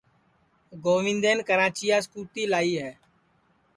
گوندین کراچیاس کُتی لائی ہے